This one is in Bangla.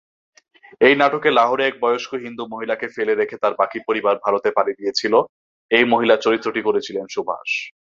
এই নাটকে লাহোরে এক বয়স্ক হিন্দু মহিলাকে ফেলে রেখে তার বাকি পরিবার ভারতে পাড়ি দিয়েছিল, এই মহিলার চরিত্রটি করেছিলেন সুভাষ।